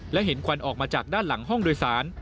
และเห็นควันออกมาจากด้านหลังห้องโดยสาร